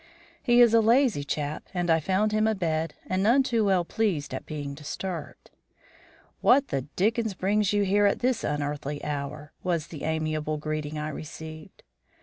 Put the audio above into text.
He is a lazy chap and I found him abed, and none too well pleased at being disturbed. "What the dickens brings you here at this unearthly hour?" was the amiable greeting I received.